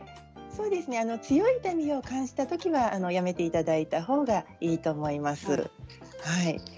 強い痛みを感じたときにはやめていただいたほうがいいと思います。